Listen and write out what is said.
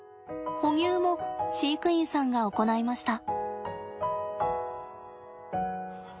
哺乳も飼育員さんが行いました。